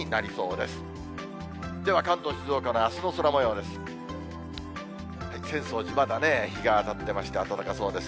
では、関東、静岡のあすの空もようです。